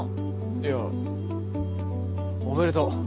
いやおめでとう。